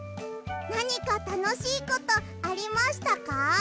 なにかたのしいことありましたか？